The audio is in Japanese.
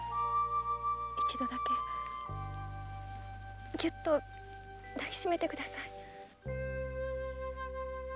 一度だけぎゅっと抱きしめてください。